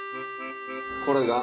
これが。